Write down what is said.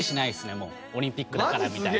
オリンピックだからみたいな。